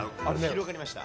広がりました？